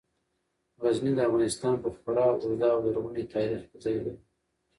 غزني د افغانستان په خورا اوږده او لرغوني تاریخ کې ذکر دی.